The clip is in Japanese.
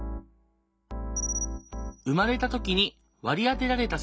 生まれた時に「割り当てられた性」。